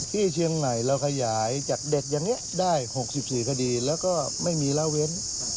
ที่เชียงใหม่เราขยายจากเด็กอย่างนี้ได้๖๔คดีแล้วก็ไม่มีละเว้น